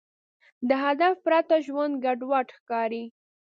د هدف پرته ژوند ګډوډ ښکاري.